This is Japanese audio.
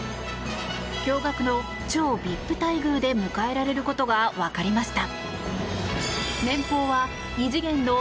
驚愕の超ＶＩＰ待遇で迎えられることが分かりました。